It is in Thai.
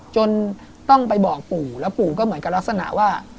จนต้องไปบอกปู่แล้วปู่ก็เหมือนกับลักษณะว่า